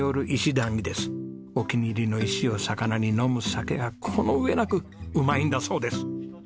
お気に入りの石をさかなに飲む酒がこの上なくうまいんだそうです。